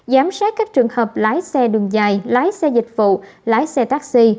giám sát các trường hợp lái xe đường dài lái xe dịch vụ lái xe taxi